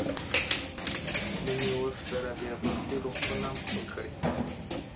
مينې اوس د رابعه بلخي روغتون هم خپل کړی دی.